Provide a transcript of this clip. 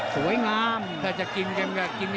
สวยงามถ้าจะกินกันกัน